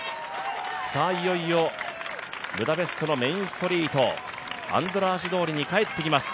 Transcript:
いよいよ、ブダペストのメインストリートアンドラーシ通りに帰ってきます